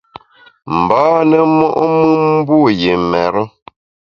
Mbâne mo’mùn mbu yi mêre.